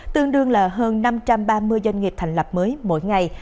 tương đương là hơn năm trăm ba mươi doanh nghiệp thành lập mới mỗi ngày